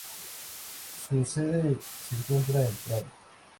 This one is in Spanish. Su sede se encuentra en Praga.